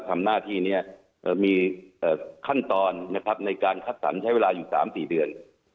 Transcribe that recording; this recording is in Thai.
มีขั้นตอนนะครับในการคัดสรรใช้เวลาอยู่๓๔เดือน